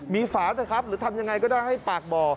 มีฝาเถอะครับหรือทำยังไงก็ได้ให้ปากบ่อ